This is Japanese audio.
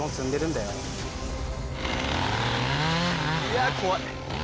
いや怖い。